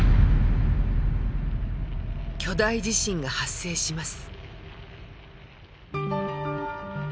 巨大地震が発生します。